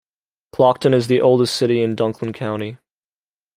Clarkton is the oldest city in Dunklin County.